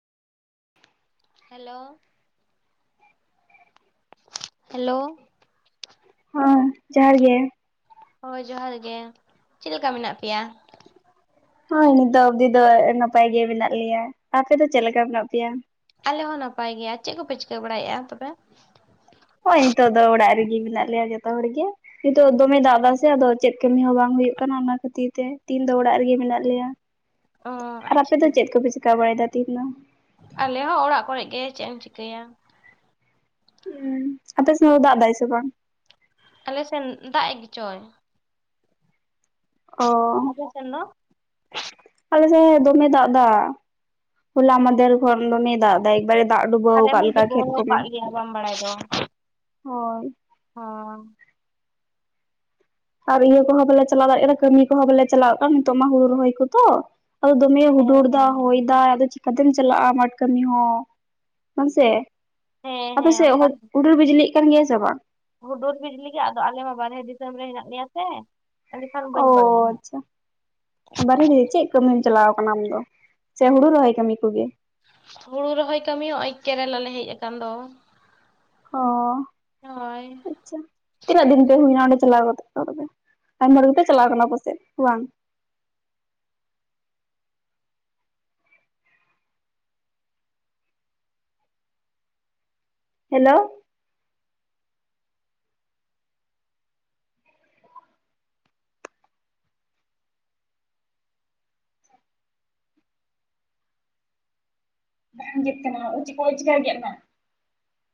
Hello hello ᱦᱚᱸ ᱡᱚᱦᱟᱨ ᱜᱮ ᱦᱚᱭ ᱡᱚᱦᱟᱨ ᱜᱮ ᱪᱮᱫ ᱞᱮᱠᱟ ᱢᱮᱱᱟᱜ ᱯᱮᱭᱟ? ᱦᱚᱭ ᱱᱤᱛᱚᱜ ᱚᱵᱫᱤ ᱫᱚ ᱱᱟᱯᱟᱭ ᱜᱮ ᱢᱮᱱᱟᱜ ᱞᱮᱭᱟ ᱟᱯᱮ ᱫᱚ ᱪᱮᱫ ᱞᱮᱠᱟ ᱢᱮᱱᱟᱜ ᱯᱮᱭᱟ? ᱟᱞᱮ ᱦᱚᱸ ᱱᱟᱯᱟᱭ ᱜᱮᱭᱟ ᱪᱮᱜ ᱠᱚᱯᱮ ᱪᱤᱠᱟᱹ ᱵᱟᱲᱟᱭᱮᱜ-ᱟ ᱛᱚᱵᱮ? ᱦᱚᱸᱭ ᱱᱤᱛᱚᱜ ᱫᱚ ᱚᱲᱟᱜ ᱨᱮᱜᱮ ᱢᱮᱱᱟᱜ ᱞᱮᱭᱟ ᱡᱚᱛᱚ ᱦᱚᱲ ᱜᱮ ᱱᱤᱛᱚᱜ ᱫᱚᱢᱮ ᱫᱟᱜ ᱮᱫᱟ ᱥᱮ ᱟᱫᱚ ᱪᱮᱫ ᱠᱟᱹᱢᱤ ᱦᱚᱸ ᱵᱟᱝ ᱦᱩᱭᱩᱜ ᱠᱟᱱᱟ ᱚᱱᱟ ᱠᱷᱟᱹᱛᱤᱨ ᱛᱮ ᱛᱤᱦᱤᱧ ᱫᱚ ᱚᱲᱟᱜ ᱨᱮᱜᱮ ᱢᱮᱱᱟᱜ ᱞᱮᱭᱟ᱾ ᱚ ᱟᱨ ᱟᱯᱮ ᱟᱪᱪᱷᱟ ᱫᱚ ᱪᱮᱫ ᱠᱚᱯᱮ ᱪᱤᱠᱟ ᱵᱟᱲᱟᱭᱮᱫᱟ ᱛᱤᱦᱤᱧ ᱫᱚ? ᱟᱞᱮ ᱦᱚᱸ ᱚᱲᱟᱜ ᱠᱚᱨᱮ ᱜᱮ ᱪᱮᱫ ᱮᱢ ᱪᱤᱠᱟᱹᱭᱟ᱾ ᱮᱸ ᱟᱯᱮ ᱥᱮᱡ ᱫᱟᱜ ᱫᱟᱭ ᱥᱮ ᱵᱟᱝ? ᱟᱞᱮ ᱥᱮᱱ ᱫᱟᱜ ᱮᱜ ᱜᱮᱪᱚᱭ ᱚᱻ [unintelligible] ᱟᱞᱮ ᱥᱮ ᱫᱚᱢᱮ ᱫᱟᱜ ᱫᱟ ᱦᱚᱞᱟ ᱚ, ᱢᱟᱫᱷᱮᱨ ᱠᱷᱚᱱ ᱫᱚᱢᱮᱭ ᱫᱟᱜ ᱫᱟᱭ ᱮᱠᱵᱟᱨᱮ ᱫᱟᱜ ᱰᱩᱵᱟᱹᱣ ᱟᱞᱮ ᱟᱠᱟᱫ ᱢᱟ ᱞᱮᱠᱟ ᱰᱩᱵᱟᱹ ᱠᱷᱮᱛ ᱠᱚᱢᱟ᱾ ᱟᱠᱟᱫ ᱞᱮᱭᱟ ᱵᱟᱢ ᱵᱟᱲᱟᱭ ᱫᱚ ᱦᱚᱭ ᱦᱚᱸ ᱟᱨ ᱤᱭᱟᱹ ᱠᱚᱦᱚᱸ ᱯᱟᱞᱮ ᱪᱟᱞᱟᱣ ᱫᱟᱲᱮᱭᱟᱜ ᱠᱟᱱᱟ ᱠᱟᱹᱢᱤ ᱠᱚᱦᱚᱸ ᱵᱟᱞᱮ ᱪᱟᱞᱟᱣ ᱠᱟᱱ ᱱᱤᱛᱚᱜ ᱢᱟ ᱦᱩᱲᱩ ᱨᱚᱦᱚᱭ ᱠᱚᱛᱚ ᱦᱚᱭ ᱫᱚᱢᱮ ᱦᱮᱸ ᱦᱩᱰᱩᱨ ᱦᱮᱸ ᱫᱟ ᱦᱚᱭ ᱫᱟ ᱟᱫᱚ ᱪᱤᱠ ᱟᱛᱮᱢ ᱪᱟᱞᱟᱜ-ᱟ ᱢᱟᱴ ᱠᱟᱹᱢᱤ ᱦᱚᱸ ᱵᱟᱝ ᱥᱮ ᱦᱮᱸ ᱟᱯᱮ ᱦᱮᱸ ᱥᱮᱫ ᱚᱱᱠᱟ ᱦᱩᱰᱩᱨ ᱵᱤᱡᱽᱞᱤᱭᱮᱫ ᱠᱟᱱ ᱜᱮᱭᱟ ᱥᱮ ᱵᱟᱝ? ᱦᱩᱰᱩᱨ ᱵᱤᱡᱽᱞᱤ ᱜᱮ ᱟᱫᱚ ᱟᱞᱮ ᱢᱟ ᱵᱟᱨᱦᱮ ᱫᱤᱥᱟᱹᱢ ᱨᱮ ᱦᱮᱱᱟᱜ ᱞᱮᱭᱟ ᱥᱮ ᱮᱸᱰᱮᱠᱷᱟᱱ ᱚᱻ ᱵᱟᱹᱧ ᱵᱟᱲᱟᱭᱟ ᱦᱟᱸᱜ ᱟᱪᱷᱟ ᱵᱟᱨᱦᱮ ᱨᱮ ᱪᱮᱫ ᱠᱟᱹᱢᱤᱢ ᱪᱟᱞᱟᱣ ᱠᱟᱱᱟ ᱟᱢ ᱫᱚ ᱥᱮ ᱦᱩᱲᱩ ᱨᱚᱦᱚᱭ ᱠᱟᱹᱢᱤ ᱠᱚᱜᱮ? ᱦᱩᱲᱩ ᱨᱚᱦᱚᱭ ᱠᱟᱹᱢᱤ ᱱᱚᱜᱚᱭ ᱠᱮᱨᱟᱞᱟ ᱞᱮ ᱦᱮᱡ ᱟᱠᱟᱱ ᱫᱚ, ᱦᱚᱸ ᱦᱳᱭ ᱟᱪᱷᱟ ᱛᱤᱱᱟᱹᱜ ᱫᱤᱱ ᱯᱮ ᱦᱩᱭᱮᱱᱟ ᱚᱸᱰᱮ ᱪᱟᱞᱟᱣ ᱠᱟᱛᱮ ᱛᱚᱵᱮ ᱟᱭᱢᱟ ᱦᱚᱲ ᱯᱮ ᱪᱟᱞᱟᱣ ᱠᱟᱱᱟ ᱯᱟᱥᱮᱡ ᱵᱟᱝ? ᱦᱮᱞᱳ ᱵᱟᱝ ᱜᱮᱫ ᱠᱟᱱᱟ ᱳᱭ ᱪᱤᱠᱚ ᱳᱭ ᱪᱤᱠᱟᱹ ᱜᱮᱫ ᱮᱱᱟ